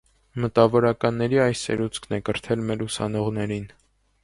Մտավորականների այս սերուցքն է կրթել մեր ուսանողներին։